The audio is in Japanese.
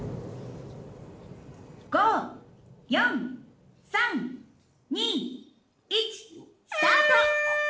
「５４３２１スタート！」。